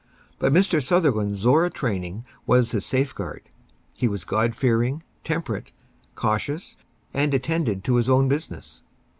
But Mr. Sutherland's Zorra training was his safeguard. He was God fearing, temperate, cautious, and attended to his own business.